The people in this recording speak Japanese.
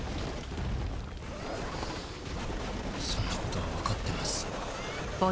そんなことは分かってます。